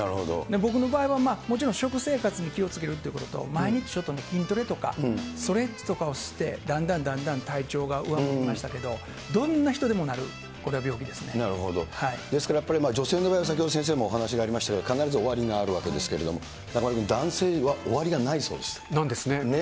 僕の場合は、もちろん食生活に気をつけるということと、毎日ちょっと筋トレとか、ストレッチとかをして、だんだんだんだん体調が上向きましたけれども、どんな人ですから、やっぱり女性の場合は先ほど先生のお話がありましたけど、必ず終わりがあるわけですけれども、中丸君、男性は終わりがないわけなんですね。